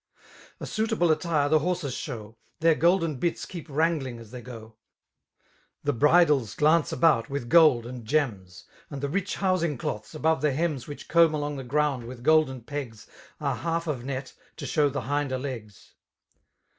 ^ A suitable attire the horses shew 5 Their golden bits keep wrangling as they go; The bridles glance about with gold and gems 3 And the rich housing doths, above the hems Which comb along the ground with golden pegs. Are half of net^ to shew tbe hinder legs.